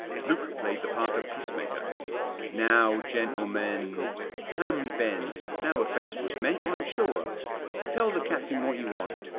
Luke played the part of peacemaker. "Now, gentlemen! Come, Ben, no offence was meant, I'm sure. Tell the captain what you want.